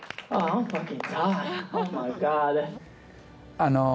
あの。